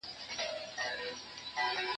زه به سبا د کتابونو مطالعه وکړم!؟